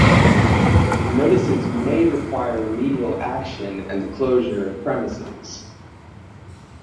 Notices may require remedial action and the closure of premises.